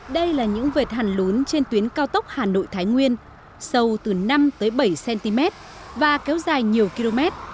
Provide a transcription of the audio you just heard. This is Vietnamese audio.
đây là những vệt hẳn lún trên tuyến cao tốc hà nội thái nguyên sâu từ năm tới bảy cm và kéo dài nhiều km